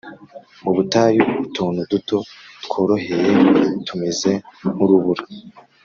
Mu butayu utuntu duto tworohereye l tumeze nk urubura